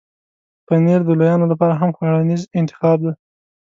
پنېر د لویانو لپاره هم خوړنیز انتخاب دی.